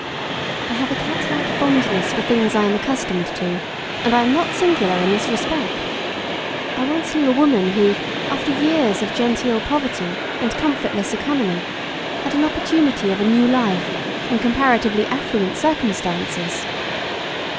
I have a cat like fondness for things I am accustomed to, and I am not singular in this respect. I once knew a woman who, after years of genteel poverty and comfortless economy, had an opportunity of a new life in comparatively affluent circumstances.